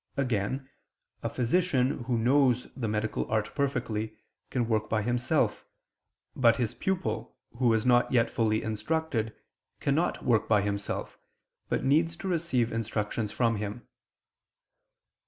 Again, a physician, who knows the medical art perfectly, can work by himself; but his pupil, who is not yet fully instructed, cannot work by himself, but needs to receive instructions from him.